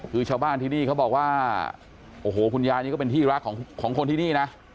คือชาวบ้านที่นี่เขาบอกว่าโอ้โหคุณยายนี่ก็เป็นที่รักของคนที่นี่นะ